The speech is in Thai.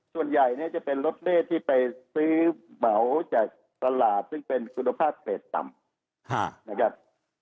ส่วนใหญ่เนี่ยจะเป็นรถเมฆที่ไปซื้อเหมาจากตลาดซึ่งเป็นคุณภาพเศษต่ำนะครับ